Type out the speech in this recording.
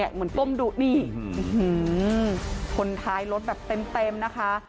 เหมือนก้มดูนี่คนท้ายรถแบบเต็มนะคะ